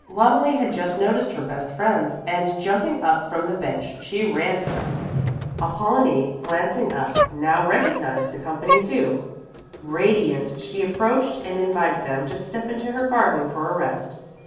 Loneli had just noticed her best friends and, jumping up from the bench, she ran to them. Apollonie, glancing up, now recognized the company, too. Radiant, she approached and invited them to step into her garden for a rest.